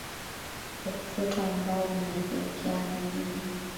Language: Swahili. wa kushoto ambao unaelekea ndani ya